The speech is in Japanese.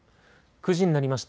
９時になりました。